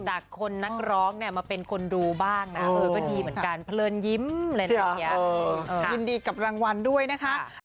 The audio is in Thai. ที่ยังคงสไตล์เอกลักษณ์ในการร้องการเอ